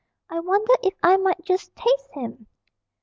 I wonder if I might just taste him.'